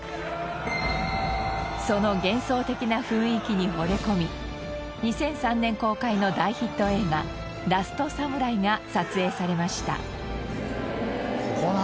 その幻想的な雰囲気に惚れ込み２００３年公開の大ヒット映画『ラストサムライ』が撮影されました。